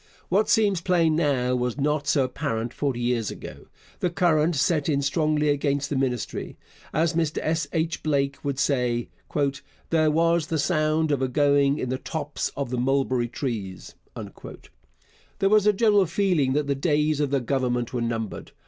What seems plain now was not so apparent forty years ago. The current set in strongly against the Ministry. As Mr S. H. Blake would say, 'There was the sound of a going in the tops of the mulberry trees.' There was a general feeling that the days of the Government were numbered.